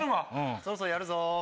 そろそろやるぞ。